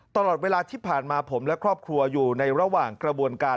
ตลอดเวลาที่ผ่านมาผมและครอบครัวอยู่ในระหว่างกระบวนการ